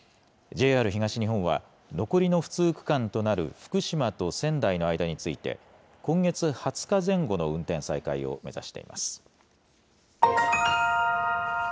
ＪＲ東日本は、残りの不通区間となる福島と仙台の間について、今月２０日前後の運転再開を目指しています。